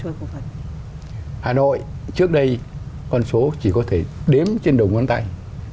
hà nội trước đây con số chỉ có thể đếm trên đầu ngón tay